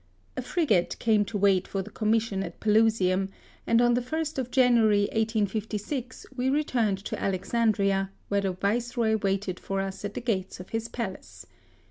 A fri gate came to wait for the Commission at Pelusium, and on the 1st of January 1856 we returned to Alexandria, where the Viceroy waited for us at the gates of his palace.